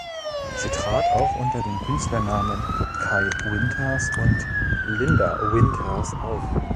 Sie trat auch unter den Künstlernamen Kay Winters und Linda Winters auf.